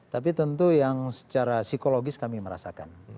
tapi tentu yang secara psikologis kami merasakan